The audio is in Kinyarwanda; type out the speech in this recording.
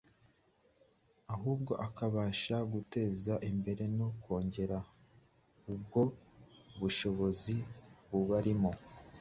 ahubwo akabafasha guteza imbere no kongera ubwo bushobozi bubarimo.